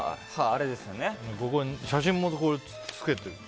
写真もつけてくれて。